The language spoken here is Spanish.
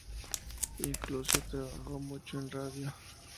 Incluso trabajó mucho en radio.